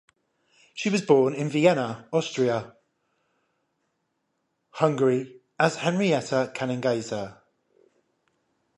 She was born in Vienna, Austria-Hungary as Henrietta Kanengeiser.